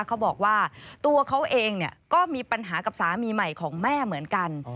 เขาบอกว่าตัวเขาเองก็มีปัญหากับสามีใหม่ของแม่เหมือนกัน